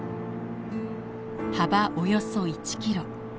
幅およそ１キロ